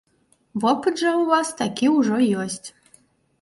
Вопыт жа ў вас такі ўжо ёсць.